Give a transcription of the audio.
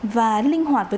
và linh hoạt với